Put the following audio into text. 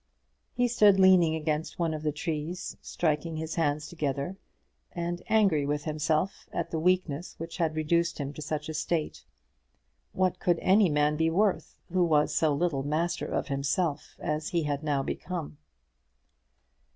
He stood leaning against one of the trees, striking his hands together, and angry with himself at the weakness which had reduced him to such a state. What could any man be worth who was so little master of himself as he had now become?